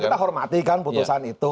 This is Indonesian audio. kita hormati kan putusan itu